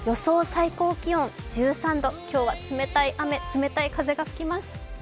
最高気温１３度、今日は冷たい雨冷たい風が吹きます。